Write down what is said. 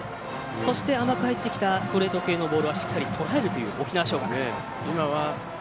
そして、甘く入ってきたストレート系のボールはしっかりとらえるという沖縄尚学。